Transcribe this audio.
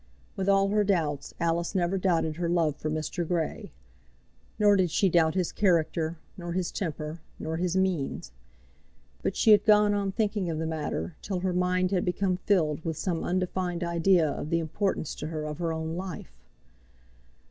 With all her doubts Alice never doubted her love for Mr. Grey. Nor did she doubt his character, nor his temper, nor his means. But she had gone on thinking of the matter till her mind had become filled with some undefined idea of the importance to her of her own life.